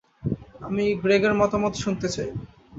আমি গ্রেগের মতামত শুনতে চাই।